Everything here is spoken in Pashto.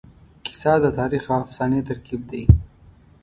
کیسه د تاریخ او افسانې ترکیب دی.